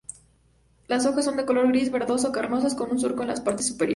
Las hojas son de color gris-verdoso, carnosas, con un surco en su parte superior.